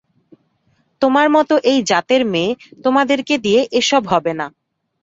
তোমার মতো এই জাতের মেয়ে, তোমাদেরকে দিয়ে এসব হবে না।